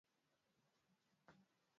Menya viazi na kukata kwa kila